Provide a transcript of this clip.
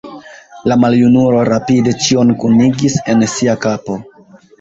La maljunulo rapide ĉion kunigis en sia kapo.